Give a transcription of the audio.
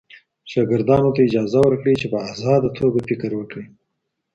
شاګردانو ته اجازه ورکړئ چي په ازاده توګه فکر وکړي.